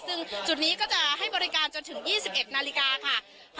ซึ่งจุดนี้ก็จะให้บริการจนถึง๒๑นาฬิกาค่ะ